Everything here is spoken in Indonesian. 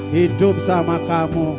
hidup sama kamu